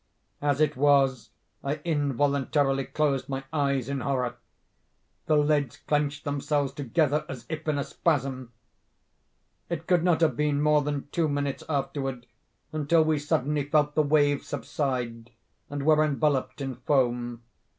As it was, I involuntarily closed my eyes in horror. The lids clenched themselves together as if in a spasm. "It could not have been more than two minutes afterward until we suddenly felt the waves subside, and were enveloped in foam.